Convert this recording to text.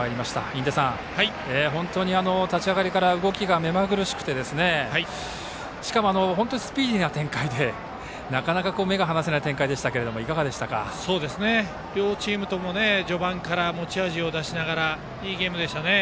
印出さん、立ち上がりから動きが目まぐるしくてしかもスピーディーな展開でなかなか目が離せない両チームとも序盤から持ち味を出しながらいいゲームでしたね。